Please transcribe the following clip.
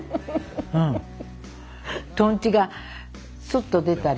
とんちがスッと出たり。